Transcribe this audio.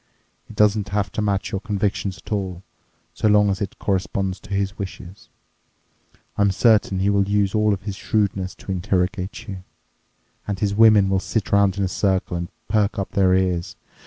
It doesn't have to match your convictions at all, so long as it corresponds to his wishes. I'm certain he will use all his shrewdness to interrogate you. And his women will sit around in a circle and perk up their ears.